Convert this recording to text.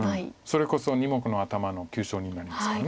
それこそ２目の頭の急所になりますから。